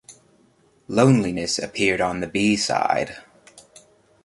"Loneliness" appeared on the B-side.